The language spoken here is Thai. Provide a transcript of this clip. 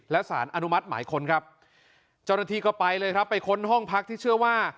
และสารอนุมัติหมายค้นครับเจ้าหน้าที่ก็ไปเลยครับไปค้นห้องพักที่เชื่อว่า